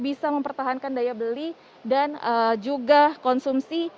bisa mempertahankan daya beli dan juga konsumsi